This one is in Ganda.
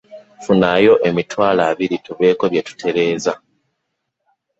Funayo emitwalo abiri tubeeko bye tutereeza.